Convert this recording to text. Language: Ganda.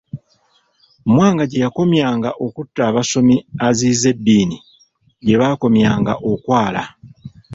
Mwanga gye yakomyanga okutta abasomi aziyize eddiini, gye baakomyanga okwala.